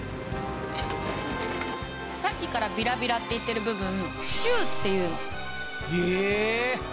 さっきからビラビラって言ってる部分シューっていうの。